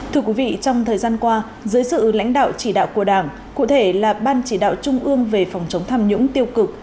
thưa quý vị trong thời gian qua dưới sự lãnh đạo chỉ đạo của đảng cụ thể là ban chỉ đạo trung ương về phòng chống tham nhũng tiêu cực